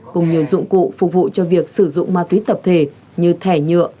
cùng nhiều dụng cụ phục vụ cho việc sử dụng ma túy tập thể như thẻ nhựa